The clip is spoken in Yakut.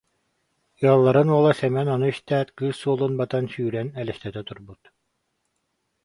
Ыалларын уола Сэмэн ону истээт, кыыс суолун батан, сүүрэн элэстэтэ турбут